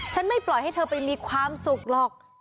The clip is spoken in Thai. ไม่ปล่อยให้เธอไปมีความสุขหรอก